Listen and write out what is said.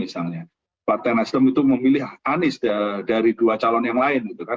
misalnya partai nasdem itu memilih anies dari dua calon yang lain gitu kan